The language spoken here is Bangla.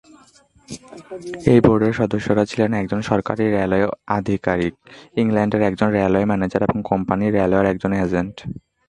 এই বোর্ডের সদস্যরা ছিলেন একজন সরকারি রেলওয়ে আধিকারিক, ইংল্যান্ডের একজন রেলওয়ে ম্যানেজার এবং কোম্পানি রেলওয়ের একজন এজেন্ট।